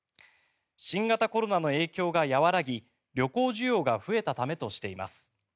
新型コロナの影響が和らぎ旅行需要が増えたためとしています。